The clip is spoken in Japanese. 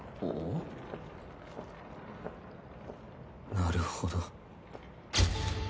なるほど。